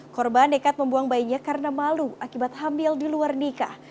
korban nekat membuang bayinya karena malu akibat hamil di luar nikah